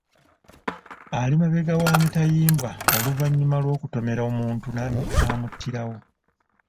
Ali mabega wa mitayimbwa oluvannyuma lw’okutomera omuntu n’amuttirawo.